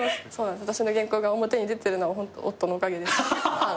私の原稿が表に出てるのはホント夫のおかげです。